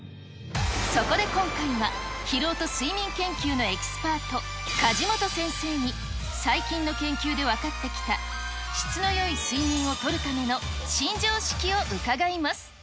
そこで今回は、疲労と睡眠研究のエキスパート、梶本先生に、最近の研究で分かってきた質のよい睡眠をとるための新常識を伺います。